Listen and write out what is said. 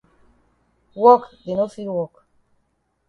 Wok dey no fit wok.